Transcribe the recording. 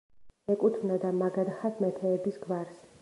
ეკუთვნოდა მაგადჰას მეფეების გვარს.